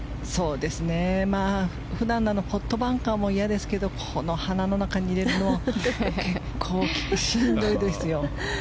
普段ならポットバンカーも嫌ですけどこの花の中にいるのも結構しんどいですよ。